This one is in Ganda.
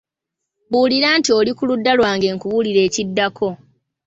Mbuulira nti oli ku ludda lwange nkubuulire ekiddako.